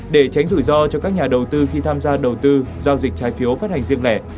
để tránh rủi ro cho các nhà đầu tư khi tham gia đầu tư giao dịch trái phiếu phát hành riêng lẻ